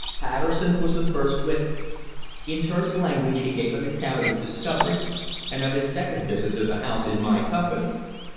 Patterson was the first witness. In terse language he gave an account of his discovery and of his second visit to the house in my company.